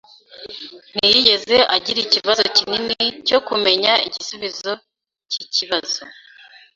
Ntiyigeze agira ikibazo kinini cyo kumenya igisubizo cyikibazo.